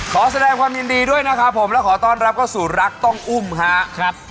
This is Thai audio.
ขอแสดงความยินดีด้วยนะครับผมและขอต้อนรับเข้าสู่รักต้องอุ้มครับ